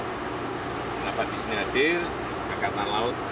kenapa disini hadir angkatan laut